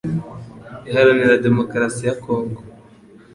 Iharanira Demokarasi ya Congo